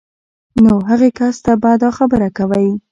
نو هغې کس ته به دا خبره کوئ